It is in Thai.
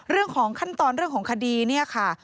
เรื่องของขั้นตอนเรื่องของคดีเนี่ยค่ะ